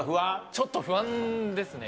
ちょっと不安ですね。